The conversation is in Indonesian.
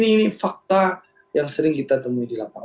ini fakta yang sering kita temui di lapangan